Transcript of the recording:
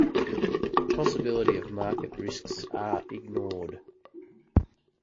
The possibility of market risks are ignored.